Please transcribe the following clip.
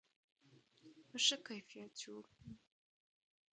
په ښه کیفیت جوړ و.